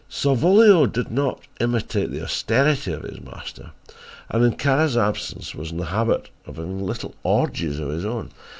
"Salvolio did not imitate the austerity of his master and in Kara's absence was in the habit of having little orgies of his own.